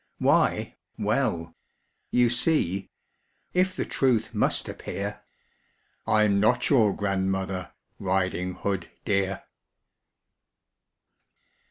Why, well: you see if the truth must appear I'm not your grandmother, Riding Hood, dear!